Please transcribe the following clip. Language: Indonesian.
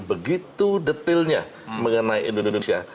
begitu detailnya mengenai indonesia